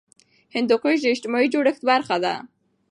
هندوکش د اجتماعي جوړښت برخه ده.